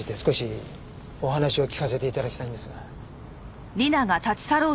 少しお話を聞かせて頂きたいんですが。